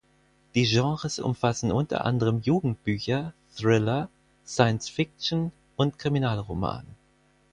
Die Genres umfassen unter anderem Jugendbücher, Thriller, Science-fiction und Kriminalroman.